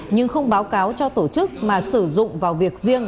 nhưng không báo cáo cho tổ chức mà sử dụng vào việc riêng